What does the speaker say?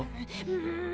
うん。